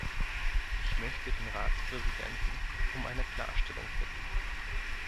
Ich möchte den Ratspräsidenten um eine Klarstellung bitten.